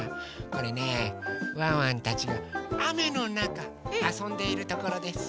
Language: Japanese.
これねワンワンたちがあめのなかあそんでいるところです。